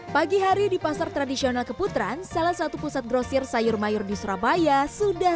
pagi hari di pasar tradisional keputaran salah satu pusat grosir sayur mayur di surabaya sudah